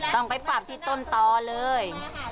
ต้องไปปรับที่ต้นต่อเลย